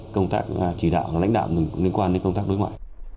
công tác chỉ đạo lãnh đạo mình liên quan đến công tác đối ngoại